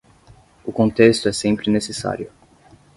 O contexto é sempre necessário.